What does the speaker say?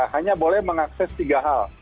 hanya boleh mengakses tiga hal